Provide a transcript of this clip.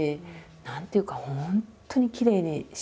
何ていうか本当にきれいにしまってった。